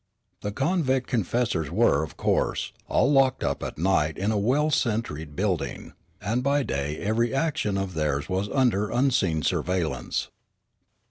The convict confessors were, of course, all locked up at night in a well sentried building, and by day every action of theirs was under unseen surveillance.